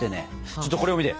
ちょっとこれを見て。